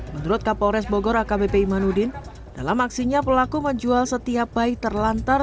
menurut kapolres bogor akbp imanudin dalam aksinya pelaku menjual setiap bayi terlantar